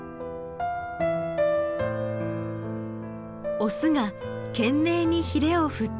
オスが懸命にひれを振っています。